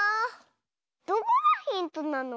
どこがヒントなの？